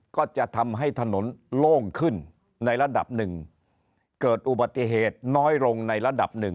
ก็จะทำให้ถนนโล่งขึ้นในระดับหนึ่งเกิดอุบัติเหตุน้อยลงในระดับหนึ่ง